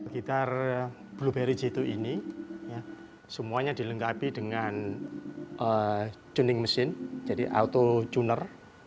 gitar blueberry jitu ini semuanya dilengkapi dengan tuning machine jadi auto tuner